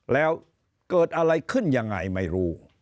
แล้วเกิดอะไรขึ้นยังไงไม่รู้